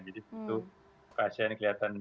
jadi itu pasien kelihatan